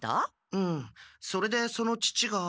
うんそれでその父が。